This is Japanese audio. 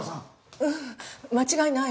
うん間違いないわ。